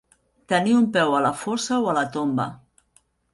Tenir un peu a la fossa o a la tomba.